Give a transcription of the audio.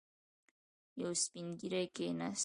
يو سپين ږيری کېناست.